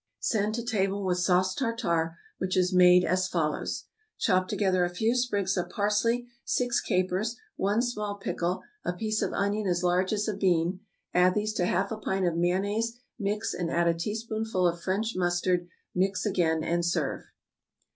Send to table with sauce tartare, which is made as follows: Chop together a few sprigs of parsley, six capers, one small pickle, a piece of onion as large as a bean. Add these to half a pint of mayonnaise, mix, and add a teaspoonful of French mustard, mix again, and serve.